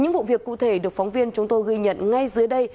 những vụ việc cụ thể được phóng viên chúng tôi ghi nhận ngay dưới đây